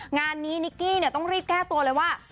งานนี้นิกกี้ต้องรีบแก้ตัวเลยว่า